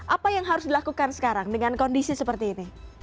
apa yang harus dilakukan sekarang dengan kondisi seperti ini